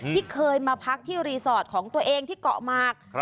ที่เคยมาพักที่รีสอร์ทของตัวเองที่เกาะหมาก